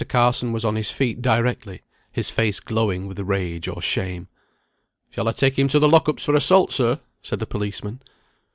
Carson was on his feet directly, his face glowing with rage or shame. "Shall I take him to the lock ups for assault, sir?" said the policeman.